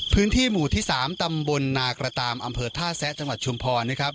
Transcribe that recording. พื้นที่หมู่ที่๓ตำบลนากระตามอำเภอท่าแซะจังหวัดชุมพรนะครับ